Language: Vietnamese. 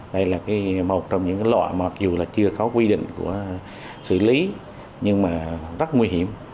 đây là một trong những loại mà dù chưa có quy định của xử lý nhưng rất nguy hiểm